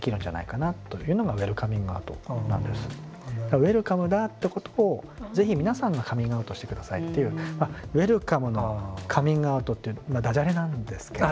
ウェルカムだってことを是非皆さんがカミングアウトしてくださいっていうウェルカムのカミングアウトっていうだじゃれなんですけど。